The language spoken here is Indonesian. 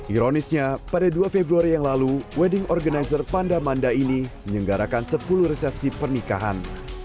ironisnya pada dua februari yang lalu wedding organizer pandamanda ini menyenggarakan sepuluh resepsi pernikahan